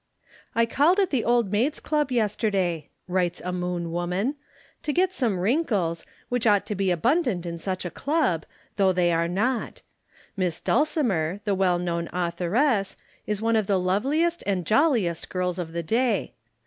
"I called at the Old Maids' Club yesterday," writes a Moon woman, "to get some wrinkles, which ought to be abundant in such a Club, though they are not. Miss Dulcimer, the well known authoress, is one of the loveliest and jolliest girls of the day.